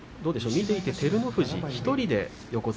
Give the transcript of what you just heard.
見ていて、照ノ富士１人で横綱。